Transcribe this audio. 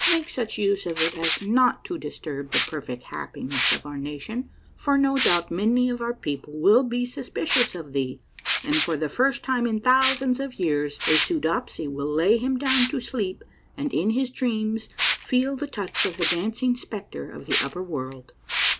Make such use of it as not to disturb the perfect happiness of our nation, for no doubt A MARVELLOUS UNDERGROUND JOURNEY 101 many of our people will be suspicious of thee, and for the first time in thousands of years a Soodopsy will lay him down to sleep, and in his dreams feel the touch of the dancing spectre of the upper world."